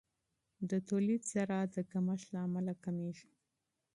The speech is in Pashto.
د تولید سرعت د کمښت له امله کمیږي.